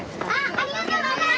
ありがとうございます！